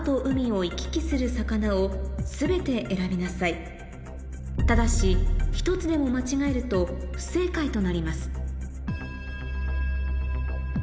次のうち一般的にただし１つでも間違えると不正解となります